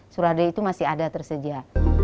surade itu masih ada tersedia